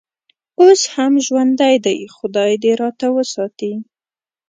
اوس هم ژوندی دی، خدای دې راته وساتي.